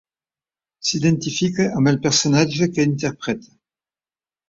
S'identifica amb el personatge que interpreta.